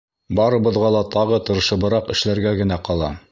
Барыбыҙға ла тағы тырышыбыраҡ эшләргә генә ҡала.